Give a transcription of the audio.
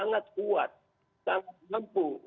sangat mampu untuk mencapai kebijakan pemerintah yang baru ini